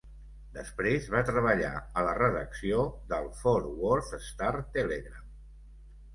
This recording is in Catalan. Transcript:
Després va treballar a la redacció del Fort Worth Star-Telegram.